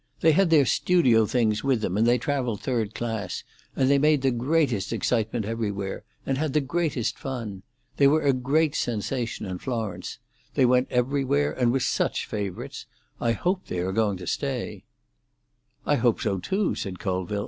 They had their studio things with them, and they travelled third class, and they made the greatest excitement everywhere, and had the greatest fun. They were a great sensation in Florence. They went everywhere, and were such favourites. I hope they are going to stay." "I hope so too," said Colville.